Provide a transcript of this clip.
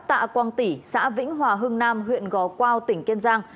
tạ quang tỉ xã vĩnh hòa hưng nam huyện gò quao tỉnh kiên giang